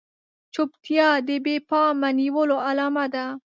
چوپتيا د بې پامه نيولو علامه ده.